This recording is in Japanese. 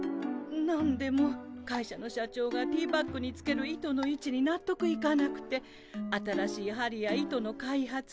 なんでも会社の社長がティーバッグにつける糸のいちになっとくいかなくて新しいはりや糸の開発